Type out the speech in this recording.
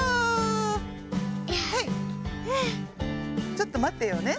ちょっとまってようね。